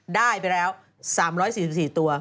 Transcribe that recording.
ได้ไปแล้ว๓๔๔ตัว